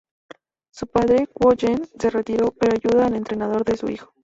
Su padre, Kuo Yen, se retiró, pero ayuda al entrenador de su hijo.